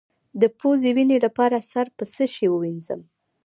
د پوزې وینې لپاره سر په څه شي ووینځم؟